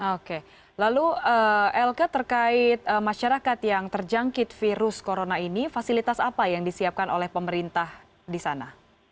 oke lalu elke terkait masyarakat yang terjangkit virus corona ini fasilitas apa yang disiapkan oleh pemerintah di sana